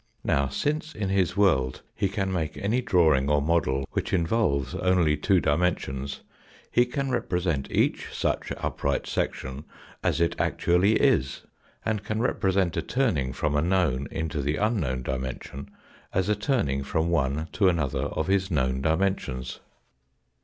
Now, since in his world he can make any drawing or model which involves only two dimensions, he can represent each such upright section as it actually is, and can repre sent a turning from a known into the unknown dimension as a turning from one to another of his known dimensions.